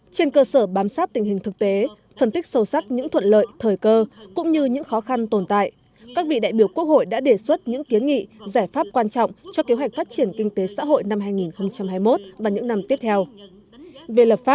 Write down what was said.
trên cơ sở bám sát tình hình thực tế phân tích sâu sắc những thuận lợi thời cơ cũng như những khó khăn tồn tại các vị đại biểu quốc hội đã đề xuất những kiến nghị giải pháp quan trọng cho kế hoạch phát triển kinh tế xã hội